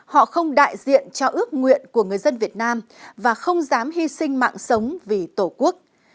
họ không đại diện cho ước nguyện của người dân việt nam và không dám hy sinh mạng sống vì tổ quốc